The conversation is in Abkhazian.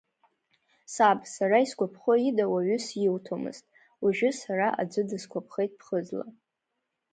Саб, сара исгәаԥхо ида уаҩы сиуҭомызт, уажәы сара аӡәы дысгәаԥхеит ԥхыӡла.